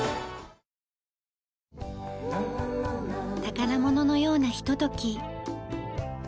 宝物のようなひととき。